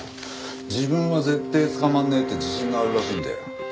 自分は絶対捕まんねえって自信があるらしいんだよ。